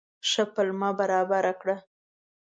ښه پلمه برابره کړه.